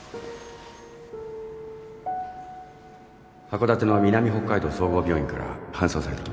函館の南北海道総合病院から搬送されてきました